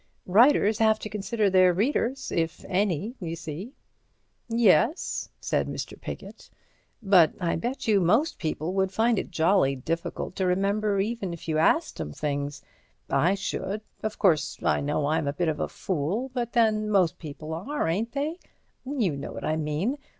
Writers have to consider their readers, if any, y'see." "Yes," said Mr. Piggott, "but I bet you most people would find it jolly difficult to remember, even if you asked 'em things. I should—of course, I know I'm a bit of a fool, but then, most people are, ain't they? You know what I mean.